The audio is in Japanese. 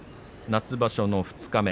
夏場所の二日目。